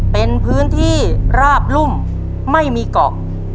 เป็นพื้นที่ราบรุ่มไม่มีเกาะ